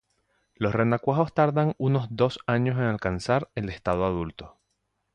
Los renacuajos tardan unos dos años en alcanzar el estado adulto.